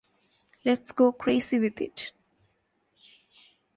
Let's go crazy with it.